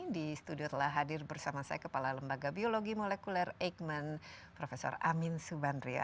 di studio telah hadir bersama saya kepala lembaga biologi molekuler eijkman prof amin subandria